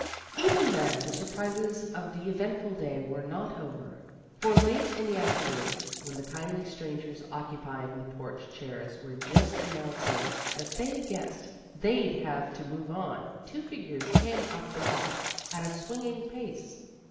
Even then the surprises of the eventful day were not over. For late in the afternoon, when the kindly strangers occupying the porch chairs were just announcing that they guessed they'd have to move on, two figures came up the walk at a swinging pace.